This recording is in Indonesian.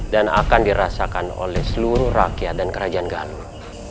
dan akan dirasakan oleh seluruh rakyat dan kerajaan galuh